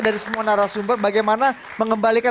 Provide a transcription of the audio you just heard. dari semua narasumber bagaimana mengembalikan